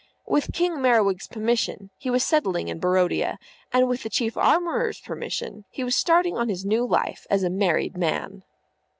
With King Merriwig's permission he was settling in Barodia, and with the Chief Armourer's permission he was starting on his new life as a married man.